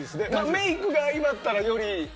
メイクがあったら、より。